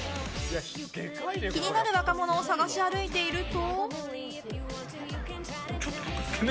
気になる若者を探し歩いていると。